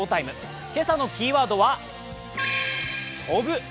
今朝のキーワードは「飛」。